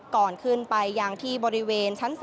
ก่อนขึ้นไปยังที่บริเวณชั้น๒